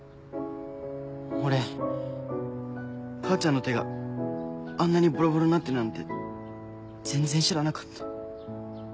俺母ちゃんの手があんなにボロボロになってるなんて全然知らなかった。